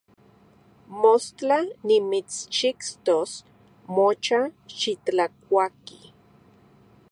Mostla nimitschixtos nocha, xitlakuaki.